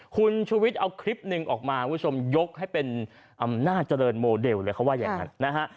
คุณชูวิทย์เอาคลิปหนึ่งออกมาคุณผู้ชมยกให้เป็นอำนาจเจริญโมเดลเลยเขาว่าอย่างนั้นนะฮะ